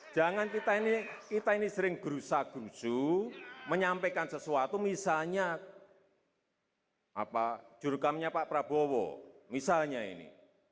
jangan kita ini sering gerusa gerusu menyampaikan sesuatu misalnya jurukamnya pak prabowo misalnya ini